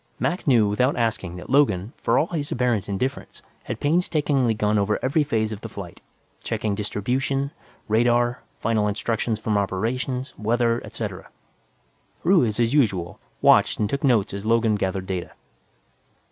Mac knew without asking that Logan, for all his apparent indifference, had painstakingly gone over every phase of the flight, checking distribution, radar, final instructions from Operations, weather, et al. Ruiz, as usual, watched and took notes as Logan gathered data.